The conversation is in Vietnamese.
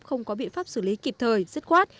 không có biện pháp xử lý kịp thời dứt khoát